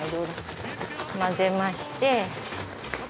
混ぜまして。